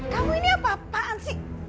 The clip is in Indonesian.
kamu ini apa apaan sih